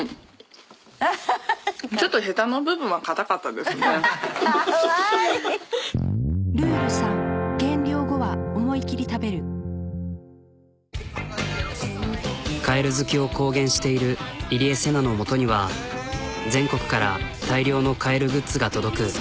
カエル好きを公言している入江聖奈のもとには全国から大量のカエルグッズが届く。